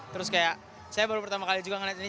terus kayak saya baru pertama kali juga ngeliat ini